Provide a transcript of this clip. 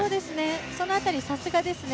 その辺りさすがですね。